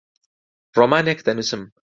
ڕۆمانێک دەنووسم.